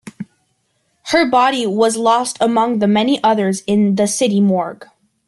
Her body was lost among the many others in the city morgue.